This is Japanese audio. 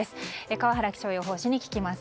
川原気象予報士に聞きます。